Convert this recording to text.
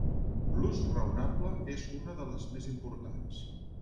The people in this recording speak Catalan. L'ús raonable és una de les més importants.